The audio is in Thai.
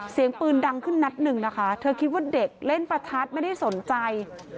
เสียงปืนดังขึ้นนัดหนึ่งนะคะเธอคิดว่าเด็กเล่นประทัดไม่ได้สนใจ